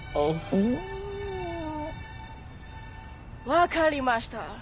分かりました。